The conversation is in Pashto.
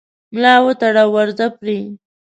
ملا وتړه او ورځه پرې